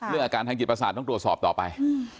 อาการทางจิตประสาทต้องตรวจสอบต่อไป